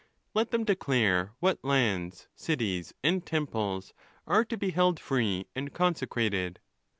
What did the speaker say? Let them declare what lands, cities, and temples, are to be held free and consecrated.